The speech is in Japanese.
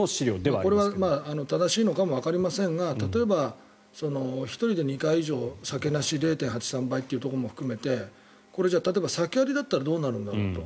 これは正しいのかもわかりませんが例えば１人で酒なしで０．８３倍というところも含めてこれ、酒ありだったらどうなるんだろうと。